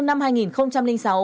tháng bốn năm hai nghìn sáu